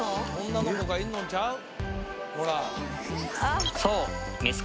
女の子がいるのんちゃう？